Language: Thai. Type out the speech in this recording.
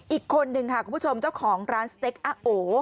อีกคนนึงค่ะคุณผู้ชมเจ้าของร้านสเต็กอะโอ